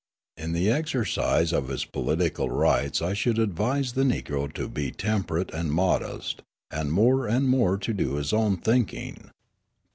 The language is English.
In the exercise of his political rights I should advise the Negro to be temperate and modest, and more and more to do his own thinking.